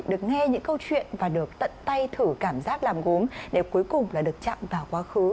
được nghe những câu chuyện và được tận tay thử cảm giác làm gốm để cuối cùng là được chạm vào quá khứ